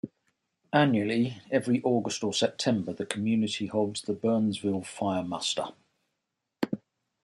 Annually every August or September, the community holds the Burnsville Fire Muster.